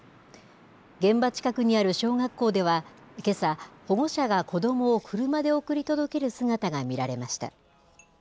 現場近くにある小学校では、けさ、保護者が子どもを車で送り届ける姿が見られました。